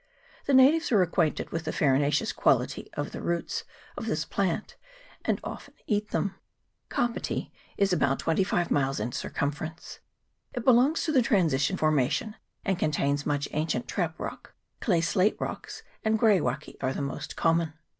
The natives are acquainted with the farinaceous quality of the roots of this plant, and often eat them. Kapiti is about twenty five miles in circumference. It belongs to the transition formation, and contains much ancient trap rock : clay slate rocks and grey wacke are the most common.